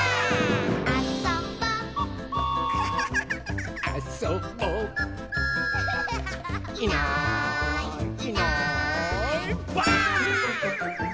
「あそぼ」「あそぼ」「いないいないばあっ！」